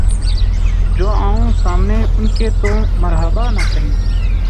جو آؤں سامنے ان کے‘ تو مرحبا نہ کہیں